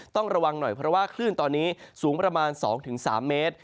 ต้องระวังหน่อยเพราะว่าคลื่นตอนนี้สูงประมาณ๒๓เมตร